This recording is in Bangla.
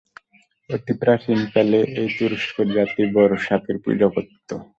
অতি প্রাচীনকালে এই তুরস্ক জাতি বড় সাপের পূজা করত।